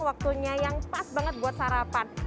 waktunya yang pas banget buat sarapan